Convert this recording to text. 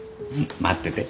待ってて。